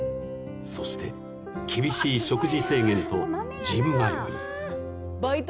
［そして厳しい食事制限とジム通い］